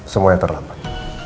semua yang terlambat